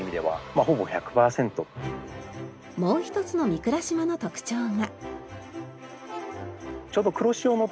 もう一つの御蔵島の特徴が。